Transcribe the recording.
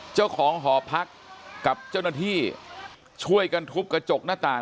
เจ้าของหอพักกับเจ้าหน้าที่ช่วยกันทุบกระจกหน้าต่าง